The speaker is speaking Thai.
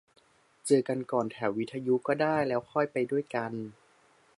เจอกันก่อนแถววิทยุก็ได้ แล้วค่อยไปด้วยกัน